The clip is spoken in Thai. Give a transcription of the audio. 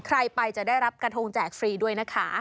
ใครไปจะได้รับกระทงแจกฟรีด้วยนะคะ